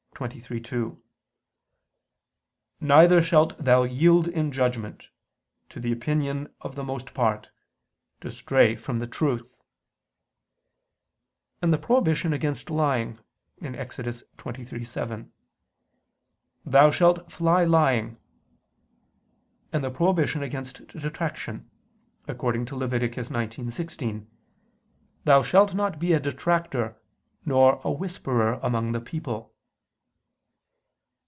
23:2: "Neither shalt thou yield in judgment, to the opinion of the most part, to stray from the truth"; and the prohibition against lying (Ex. 23:7): "Thou shalt fly lying," and the prohibition against detraction, according to Lev. 19:16: "Thou shalt not be a detractor, nor a whisperer among the people."